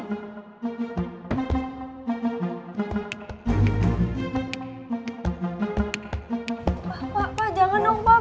pak pak pak jangan dong pak